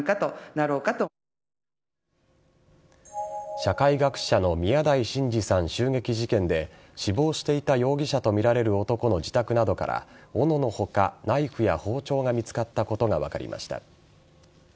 社会学者の宮台真司さん襲撃事件で死亡していた容疑者とみられる男の自宅などからおのの他、ナイフや包丁が見つかったことが分かりました。